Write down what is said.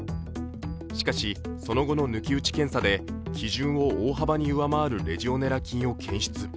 しかし、その後の抜き打ち検査で基準を大幅に上回るレジオネラ菌を検出。